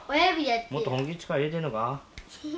もっと本気で力入れてんのか？